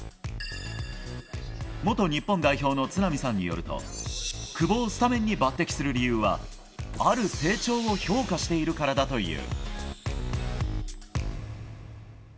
元日本代表の都並さんによると久保をスタメンに抜擢する理由はある成長を評価しているからだという。